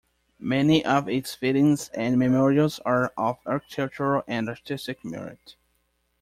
Many of its fittings and memorials are of architectural and artistic merit.